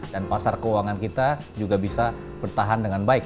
dan pasar keuangan kita juga bisa bertahan dengan baik